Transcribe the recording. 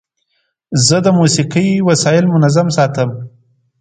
زه د موسیقۍ وسایل منظم ساتم.